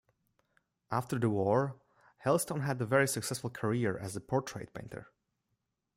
After the war Hailstone had a very successful career as a portrait painter.